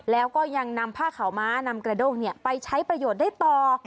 แล้วก็ยังนำผ้าขาวม้านำกระด้งไปใช้ประโยชน์ได้ต่อ